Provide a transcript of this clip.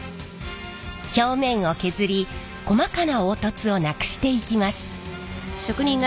表面を削り細かな凹凸をなくしていきます。